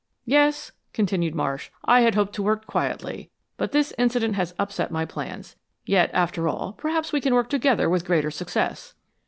"Yes," continued Marsh, "I had hoped to work quietly, but this incident has upset my plans. Yet, after all, perhaps we can work together with greater success."